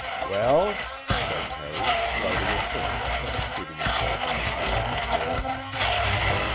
"Well?" said Harry, lighting a cigarette and seating himself on the arm of a chair.